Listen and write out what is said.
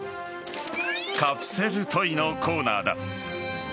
カプセルトイのコーナーだ。